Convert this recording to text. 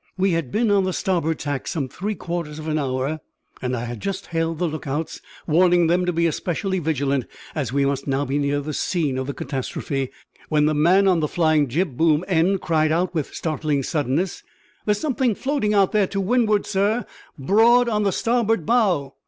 We had been on the starboard tack some three quarters of an hour, and I had just hailed the lookouts, warning them to be especially vigilant, as we must now be near the scene of the catastrophe, when the man on the flying jib boom end cried out with startling suddenness "There's something floating out there to wind'ard, sir; broad on the starboard bow!"